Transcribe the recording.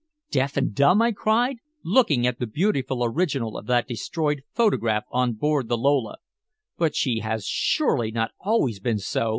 "Deaf and dumb!" I cried, looking at the beautiful original of that destroyed photograph on board the Lola. "But she has surely not always been so!"